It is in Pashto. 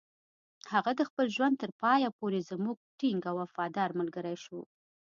هغه د خپل ژوند تر پایه پورې زموږ ټینګ او وفادار ملګری شو.